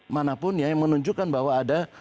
manapun ya yang menunjukkan bahwa ada